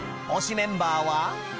推しメンバーは？